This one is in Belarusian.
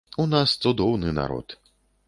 У нас цудоўны народ.